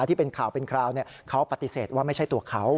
ที่เป็นข่าวเป็นคราวเขาปฏิเสธว่าไม่ใช่ตัวเขา